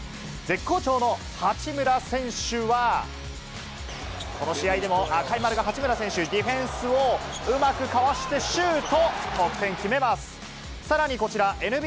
絶好調の八村選手は、この試合での赤い丸が八村選手、ディフェンスをうまくかわしてシュート！